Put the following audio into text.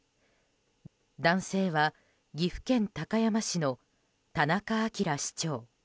男性は岐阜県高山市の田中明市長。